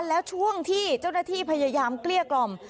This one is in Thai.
แล้วช่วงที่เจ้าหน้าที่พยายามเกลี้ยกล่อม